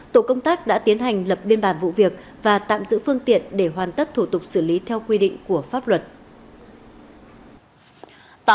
tổ công tác đã tiến hành lập biên bản vụ việc và tạm giữ phương tiện để hoàn tất thủ tục xử lý theo quy định của pháp luật